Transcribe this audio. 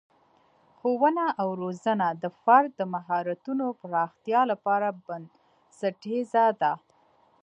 ښوونه او روزنه د فرد د مهارتونو پراختیا لپاره بنسټیزه ده.